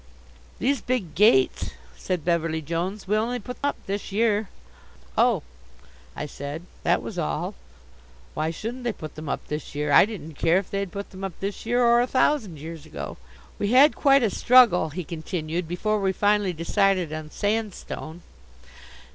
"These big gates," said Beverly Jones, "we only put up this year." "Oh," I said. That was all. Why shouldn't they put them up this year? I didn't care if they'd put them up this year or a thousand years ago. "We had quite a struggle," he continued, "before we finally decided on sandstone.